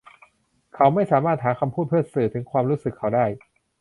เขาไม่สามารถหาคำพูดเพื่อสื่อถึงความรู้สึกเขาได้